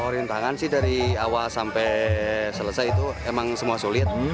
rintangan sih dari awal sampai selesai itu emang semua sulit